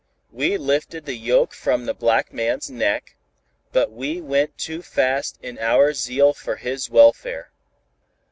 We lifted the yoke from the black man's neck, but we went too fast in our zeal for his welfare.